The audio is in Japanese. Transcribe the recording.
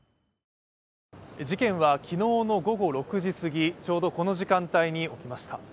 事件は昨日の午後６時すぎ、ちょうどこの時間帯に起きました。